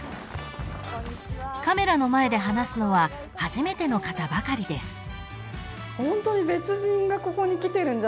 ［カメラの前で話すのは初めての方ばかりです］